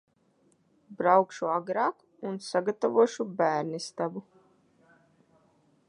Braukšu agrāk un sagatavošu bērnistabu.